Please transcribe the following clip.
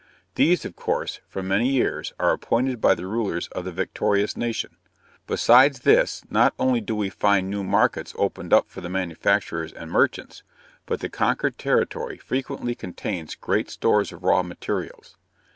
These, of course, for many years are appointed by the rulers of the victorious nation. Besides this not only do we find new markets opened up for the manufacturers and merchants, but the conquered territory frequently contains great stores of raw materials.